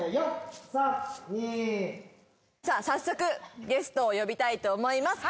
さあ早速ゲストを呼びたいと思います。